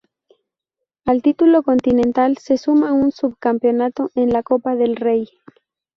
Al título continental se suma un subcampeonato en la Copa del Rey.